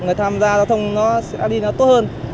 người tham gia giao thông nó sẽ đi nó tốt hơn